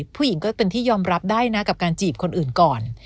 ผู้หญิงก็เป็นที่ยอมรับได้นะกับการจีบคนอื่นก่อน